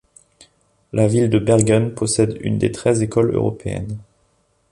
La ville de Bergen possède une des treize Écoles européennes.